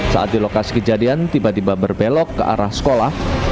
saat di lokasi kejadian tiba tiba berbelok ke arah sekolah